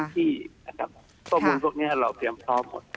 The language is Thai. ที่ข้อมูลพวกนี้เราเตรียมพร้อมหมด